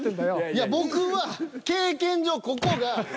いや僕は経験上ここが。